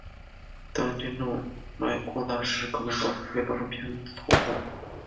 当颞动脉扩大时可能会造成偏头痛。